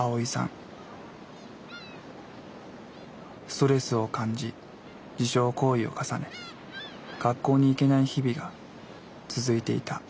ストレスを感じ自傷行為を重ね学校に行けない日々が続いていた。